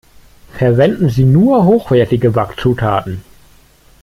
Verwenden Sie nur hochwertige Backzutaten!